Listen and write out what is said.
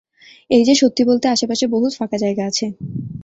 এইযে, সত্যি বলতে, আশেপাশে বহুত ফাঁকা জায়গা আছে।